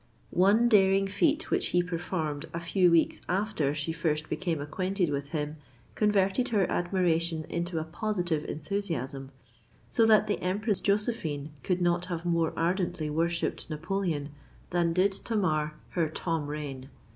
One daring feat which he performed a few weeks after she first became acquainted with him, converted her admiration into a positive enthusiasm; so that the Empress Josephine could not have more ardently worshipped Napoleon than did Tamar her Tom Rain!